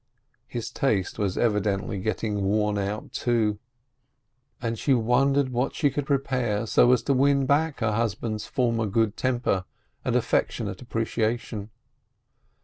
His taste was evidently getting worn out, too. AS THE YEARS ROLL ON 315 And she wondered what she could prepare, so as to win back her husband's former good temper and affec tionate appreciation.